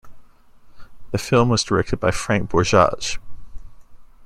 The film was directed by Frank Borzage.